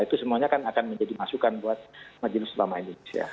itu semuanya akan menjadi masukan buat majelis selama indonesia